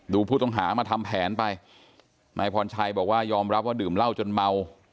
ผู้ต้องหามาทำแผนไปนายพรชัยบอกว่ายอมรับว่าดื่มเหล้าจนเมา